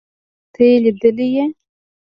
ته يې ليدلې.